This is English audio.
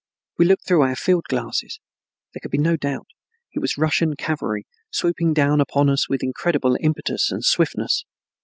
We looked through our field glasses; there could be no doubt, it was Russian cavalry, swooping down upon us with incredible impetus and swiftness.